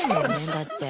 だって。